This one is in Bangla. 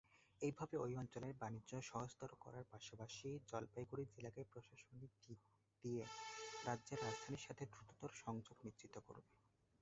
এইভাবে এই অঞ্চলের বাণিজ্য সহজতর করার পাশাপাশি জলপাইগুড়ি জেলাকে প্রশাসনিক দিক দিয়ে রাজ্যের রাজধানীর সাথে দ্রুততর সংযোগ নিশ্চিত করবে।